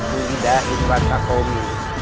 bungi dahil wasakomi